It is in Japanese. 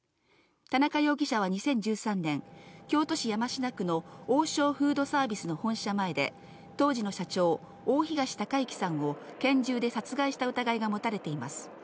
田中容疑者は２０１３年、京都市山科区の王将フードサービスの本社前で、当時の社長、大東隆行さんを拳銃で殺害した疑いが持たれています。